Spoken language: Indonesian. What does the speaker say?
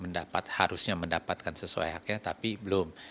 mendapat harusnya mendapatkan sesuai haknya tapi belum